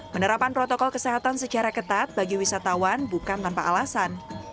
penerapan protokol kesehatan secara ketat bagi wisatawan bukan tanpa alasan